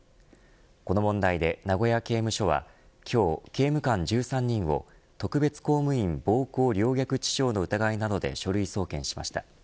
この問題で名古屋刑務所は今日、刑務官１３人を特別公務員暴行陵虐致傷の疑いなどで書類送検しました。